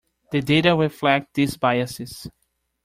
The data reflect these biases.